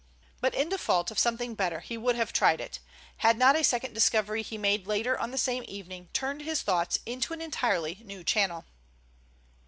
But in default of something better he would have tried it, had not a second discovery he made later on the same evening turned his thoughts into an entirely new channel.